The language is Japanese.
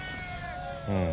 うん。